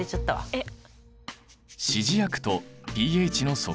えっ。